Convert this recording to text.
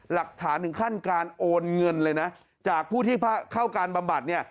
หลักฐานถึงขั้นการโอนเงินเลยนะจากผู้ที่เข้าการบำบัดเนี่ย